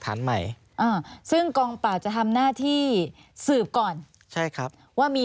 ห่างจากกองบัญชาการตลอดภูทรภาค๘แค่สองกิโล